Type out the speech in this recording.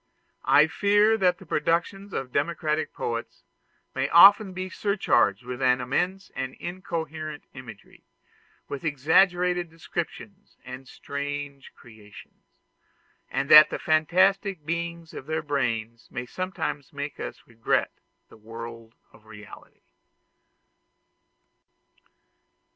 I fear that the productions of democratic poets may often be surcharged with immense and incoherent imagery, with exaggerated descriptions and strange creations; and that the fantastic beings of their brain may sometimes make us regret the world of reality.